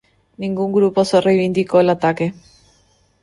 Ningún grupo se reivindicó el ataque.